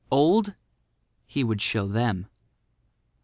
Old? He would show them.